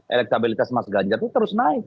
elektabilitas mas ganjar itu terus naik